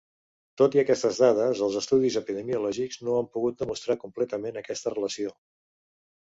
Tot i aquestes dades, els estudis epidemiològics no han pogut demostrar completament aquesta relació.